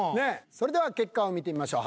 それでは結果を見てみましょう。